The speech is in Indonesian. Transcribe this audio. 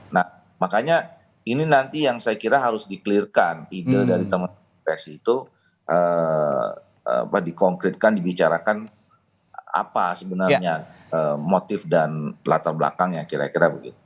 nah makanya ini nanti yang saya kira harus di clear kan ide dari teman teman psi itu dikonkretkan dibicarakan apa sebenarnya motif dan latar belakangnya kira kira begitu